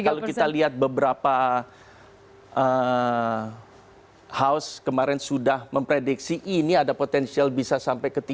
kalau kita lihat beberapa house kemarin sudah memprediksi ini ada potensial bisa sampai ke tiga